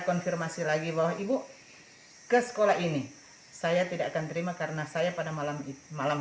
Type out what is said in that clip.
konfirmasi lagi bahwa ibu ke sekolah ini saya tidak akan terima karena saya pada malam itu malam